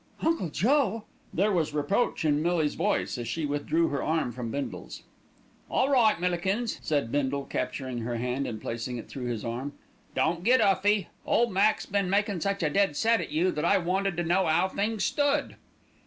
"Uncle Joe!" There was reproach in Millie's voice as she withdrew her arm from Bindle's. "All right, Millikins," said Bindle, capturing her hand and placing it through his arm, "don't get 'uffy. Ole Mac's been makin' such a dead set at you, that I wanted to know 'ow things stood."